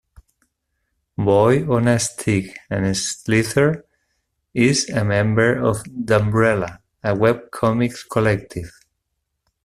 Boy on a Stick and Slither is a member of Dumbrella, a webcomics collective.